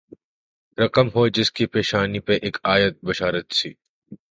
رقم ہو جس کی پیشانی پہ اک آیت بشارت سی